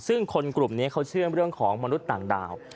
ซึ่งคนกลุ่มนี้เขาเชื่อเรื่องของมนุษย์ต่างดาว